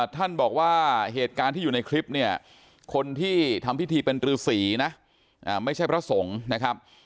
ท่านบอกว่าเหตุการณ์ที่อยู่ในคลิปเนี่ยคนที่ทำพิธีเป็นรือสีนะไม่ใช่พระสงฆ์นะครับ